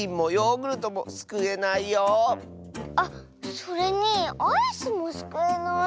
あっそれにアイスもすくえない。